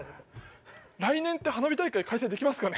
来年って花火大会開催できますかね。